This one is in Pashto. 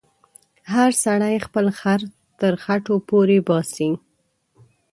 هر سړی خپل خر تر خټو پورې باسې.